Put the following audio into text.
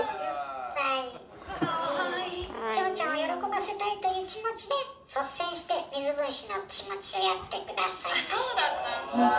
「千穂ちゃんを喜ばせたいという気持ちで率先して水分子の気持ちをやって下さいました」。